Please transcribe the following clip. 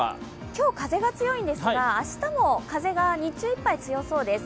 今日、風は強いんですが明日も日中いっぱいは大丈夫そうです。